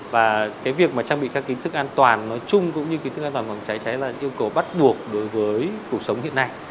và việc trang bị các kỹ thức an toàn nói chung cũng như kỹ thức an toàn bằng cháy cháy là yêu cầu bắt buộc đối với cuộc sống hiện nay